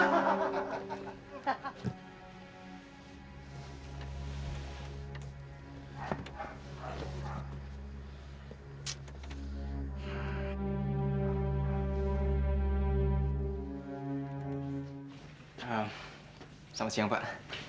selamat siang pak